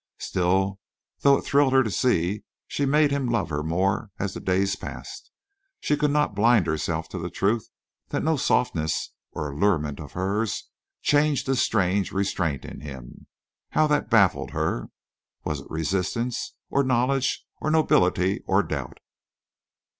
Still, though it thrilled her to see she made him love her more as the days passed, she could not blind herself to the truth that no softness or allurement of hers changed this strange restraint in him. How that baffled her! Was it resistance or knowledge or nobility or doubt?